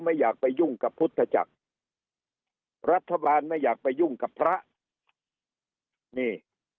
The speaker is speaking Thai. ไม่อยากไปยุ่งกับพุทธจักรรัฐบาลไม่อยากไปยุ่งกับพระนี่